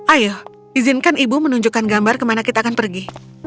ayo izinkan ibu menunjukkan gambar kemana kita akan pergi